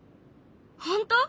本当？